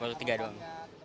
baru tiga doang